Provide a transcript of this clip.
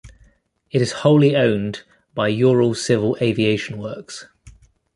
It is wholly owned by Ural Civil Aviation Works.